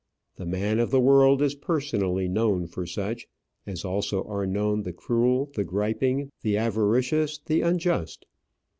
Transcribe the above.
The man of the world is personally known for such; as also are known the cruel, the griping, the avaricious, the unjust.